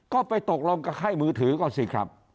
ก็ไปตกลงกับค่ายมือถือก็สิครับ